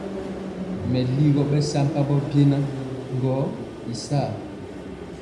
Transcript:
Meligɔ bɛsampambɔ biena gɔ y saa.